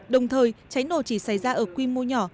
đồng thời cháy nổ chỉ xảy ra ở quy mô nhỏ